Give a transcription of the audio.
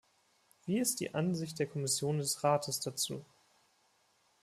Wie ist die Ansicht der Kommission und des Rates dazu?